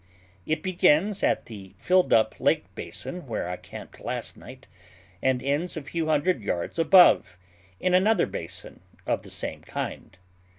It begins at the filled up lake basin where I camped last night, and ends a few hundred yards above, in another basin of the same kind.